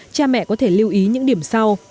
cha mẹ có thể lưu ý những điểm sau